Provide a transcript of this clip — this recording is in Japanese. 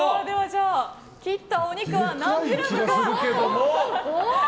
切ったお肉は何グラムか。